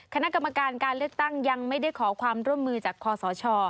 คณะกรรมการการเลือกตั้งยังไม่ได้ขอความร่วมมือจากคอสช